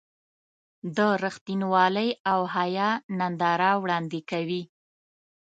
د رښتینولۍ او حیا ننداره وړاندې کوي.